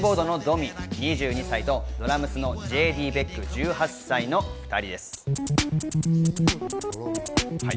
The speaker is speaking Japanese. キーボードのドミ、２２歳とドラムスのＪＤ・ベック、１８歳の２人です。